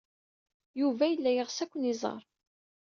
Yuba yella yeɣs ad ken-iẓer.